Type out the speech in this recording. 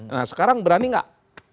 nah sekarang berani nggak